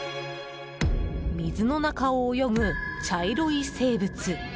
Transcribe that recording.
水の中を泳ぐ、茶色い生物。